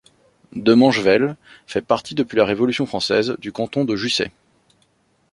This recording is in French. Demangevelle fait partie depuis la Révolution française du canton de Jussey.